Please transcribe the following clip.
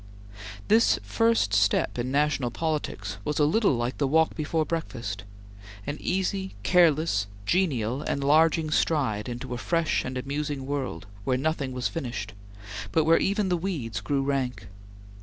This first step in national politics was a little like the walk before breakfast; an easy, careless, genial, enlarging stride into a fresh and amusing world, where nothing was finished, but where even the weeds grew rank.